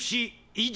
以上。